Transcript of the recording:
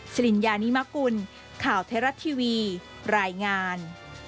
สิริญญานิมกุลข่าวไทยรัฐทีวีรายงาน